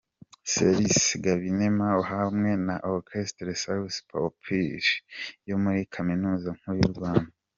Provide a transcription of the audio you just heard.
Celse Gabinema hamwe na Orchestre Salus Pupuli yo muri Kaminuza nkuru y' u Rwanda.